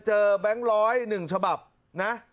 เจอแบงค์ร้อย๑ฉบับนะ